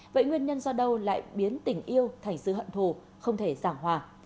vậy nguyên nhân do đâu lại biến tình yêu thành sự hận thù không thể giảng hòa